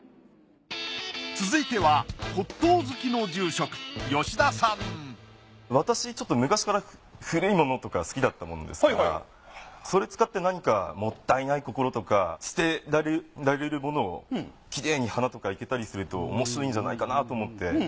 続いては骨董好きの住職私ちょっと昔から古いものとか好きだったものですからそれ使って何かもったいないところとか捨てられるものをきれいに花とか生けたりするとおもしろいんじゃないかなと思って。